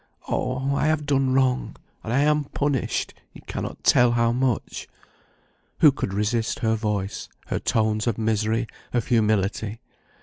Oh! I have done wrong, and I am punished; you cannot tell how much." Who could resist her voice, her tones of misery, of humility?